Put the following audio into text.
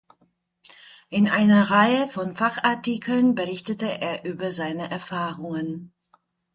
In einer Reihe von Fachartikeln berichtete er über seine Erfahrungen.